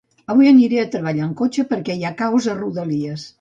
Avui aniré a treballar en cotxe perquè hi ha caos a rodalies